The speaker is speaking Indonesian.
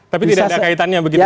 tapi tidak ada kaitannya begitu ya